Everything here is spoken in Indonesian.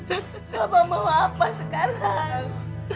gak mau mau apa sekarang